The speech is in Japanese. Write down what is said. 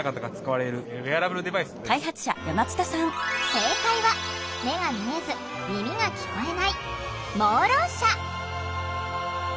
正解は目が見えず耳が聞こえない「盲ろう者」。